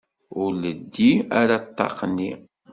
Ur leddi ara ṭṭaq-nni.